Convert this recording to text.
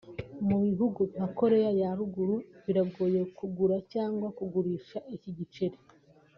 Mu bihugu nka Koreya ya ruguru biragoye kugura cyangwa kugurisha iki giceri